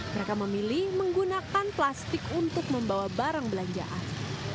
mereka memilih menggunakan plastik untuk membawa barang belanjaan